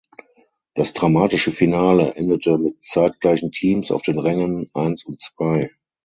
Das dramatische Finale endete mit zeitgleichen Teams auf den Rängen eins und zwei.